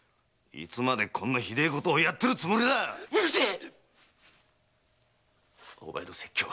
いつまでこんなひどいことをやってるつもりだ‼うるせえ！